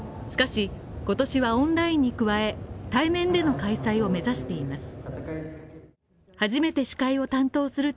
しかし、今年はオンラインに加え、対面での開催を目指しています。